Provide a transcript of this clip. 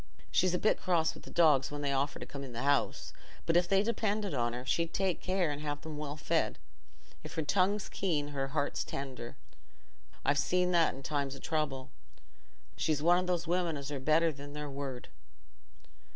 She's a bit cross wi' the dogs when they offer to come in th' house, but if they depended on her, she'd take care and have 'em well fed. If her tongue's keen, her heart's tender: I've seen that in times o' trouble. She's one o' those women as are better than their word."